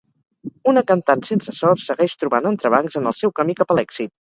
Una cantant sense sort segueix trobant entrebancs en el seu camí cap a l'èxit.